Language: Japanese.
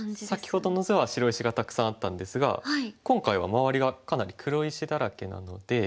先ほどの図は白石がたくさんあったんですが今回は周りがかなり黒石だらけなので。